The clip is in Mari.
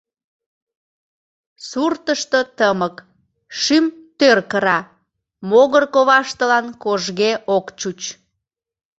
Суртышто тымык, шӱм тӧр кыра, могыр коваштылан кожге ок чуч.